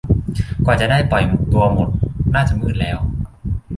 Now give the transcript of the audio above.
กว่าจะได้ปล่อยตัวหมด น่าจะมืดแล้ว